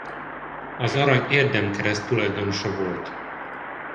Az arany érdemkereszt tulajdonosa volt.